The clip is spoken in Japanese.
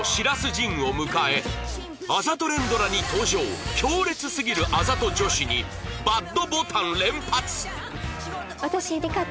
迅を迎えあざと連ドラに登場強烈すぎるあざと女子に ＢＡＤ ボタン連発！？